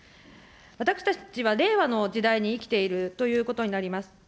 私たちは令和の時代に生きているということになります。